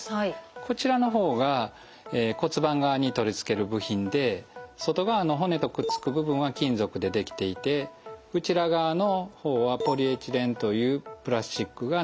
こちらの方が骨盤側に取り付ける部品で外側の骨とくっつく部分は金属で出来ていてこちら側の方はポリエチレンというプラスチックが軟骨の代わりになります。